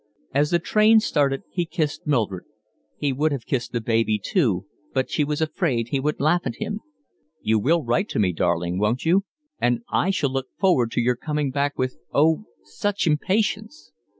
As the train started he kissed Mildred. He would have kissed the baby too, but he was afraid she would laugh at him. "You will write to me, darling, won't you? And I shall look forward to your coming back with oh! such impatience."